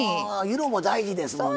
色も大事ですもんね。